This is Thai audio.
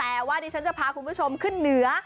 แต่ว่าดิฉันจะพาคุณผู้ชมขึ้นเหนือ